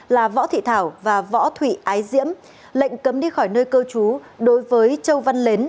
là võ thị thảo và võ thụy ái diễm lệnh cấm đi khỏi nơi cơ chú đối với châu văn lến